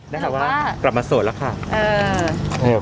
นะคะว่ากลับมาโสดแล้วค่ะ